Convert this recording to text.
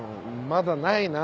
まだないな。